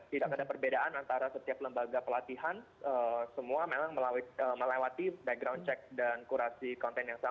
tidak ada perbedaan antara setiap lembaga pelatihan semua memang melewati background check dan kurasi konten yang sama